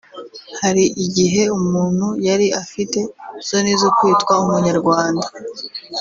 Hari igihe umuntu yari afite isoni zo kwitwa Umunyarwanda